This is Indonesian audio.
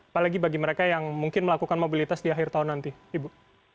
apalagi bagi mereka yang mungkin melakukan mobilitas di akhir tahun nanti ibu